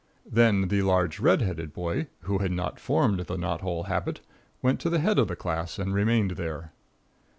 Then the large red headed boy, who had not formed the knot hole habit went to the head of the class and remained there.